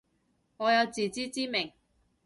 我有自知之明